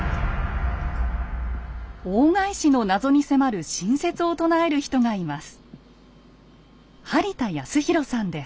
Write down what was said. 大返しのナゾに迫る新説をとなえる人がいます。